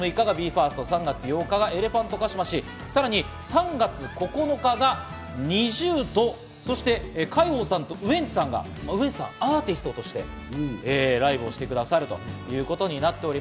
３月６日がＢＥ：ＦＩＲＳＴ、３月８日がエレファントカシマシ、さらに３月９日がＮｉｚｉＵと、そして海宝さんとウエンツさんがアーティストとしてライブをしてくださるということです。